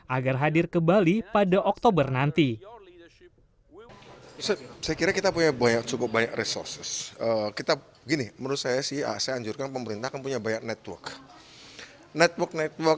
agar hadir ke bali pada oktober nanti